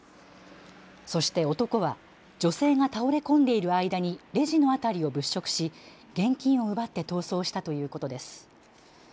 そして男は女性が倒れ込んでいる間にレジの辺りを物色し現金を奪って逃走したということです。